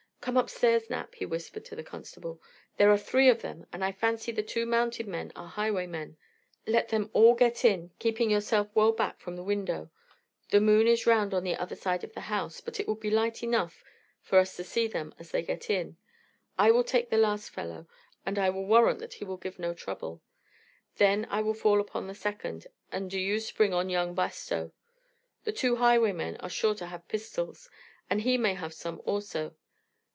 "Come upstairs, Knapp," he whispered to the constable. "There are three of them, and I fancy the two mounted men are highwaymen. Let them all get in, keeping yourself well back from the window. The moon is round on the other side of the house, but it will be light enough for us to see them as they get in. I will take the last fellow, and I will warrant that he will give no trouble; then I will fall upon the second, and do you spring on young Bastow. The two highwaymen are sure to have pistols, and he may have some also.